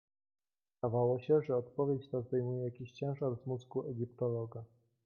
"Zdawało się, że odpowiedź ta zdejmuje jakiś ciężar z mózgu egiptologa."